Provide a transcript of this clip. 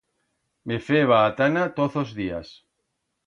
Me feba a tana toz os días.